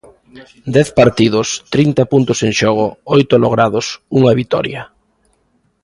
Dez partidos, trinta puntos en xogo, oito logrados, unha vitoria.